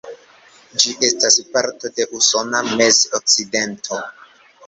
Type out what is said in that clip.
Ĝi estas parto de Usona Mez-Okcidento.